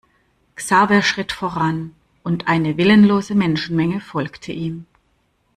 Xaver schritt voran und eine willenlose Menschenmenge folgte ihm.